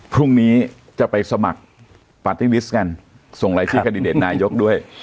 พรุ่งนี้จะไปสมัครปาร์ตี้ลิสต์กันส่งรายชื่อแคนดิเดตนายกด้วย